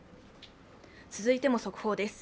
続いても速報です。